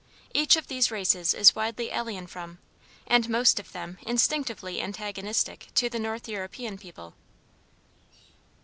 Each of these races is widely alien from, and most of them instinctively antagonistic to the North European people.